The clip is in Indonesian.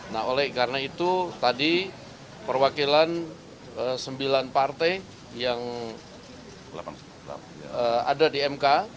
nah oleh karena itu tadi perwakilan sembilan partai yang ada di mk